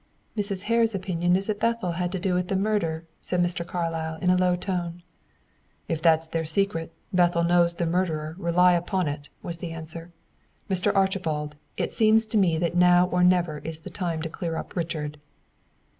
"Mrs. Hare's opinion is that Bethel had to do with the murder," said Mr. Carlyle, in a low tone. "If that is their secret, Bethel knows the murderer, rely upon it," was the answer. "Mr. Archibald, it seems to me that now or never is the time to clear up Richard."